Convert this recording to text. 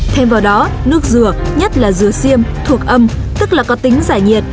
thêm vào đó nước dừa nhất là dừa xiêm thuộc âm tức là có tính giải nhiệt